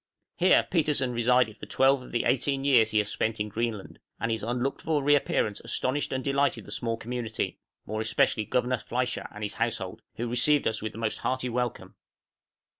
Here Petersen resided for twelve of the eighteen years he has spent in Greenland, and his unlooked for re appearance astonished and delighted the small community, more especially Governor Fliescher and his household, who received us with a most hearty welcome.